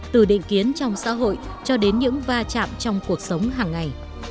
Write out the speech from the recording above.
từ định kiến trong xã hội cho đến những va chạm trong cuộc sống hàng ngày